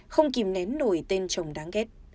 không kìm ném nổi tên chồng đáng ghét